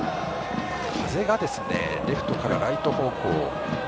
風がレフトからライト方向。